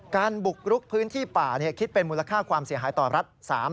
บุกรุกพื้นที่ป่าคิดเป็นมูลค่าความเสียหายต่อรัฐ